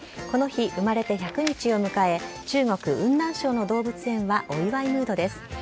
この日生まれて１００日を迎え中国・雲南省の動物園はお祝いムードです。